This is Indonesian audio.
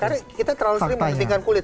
karena kita terlalu sering mementingkan kulit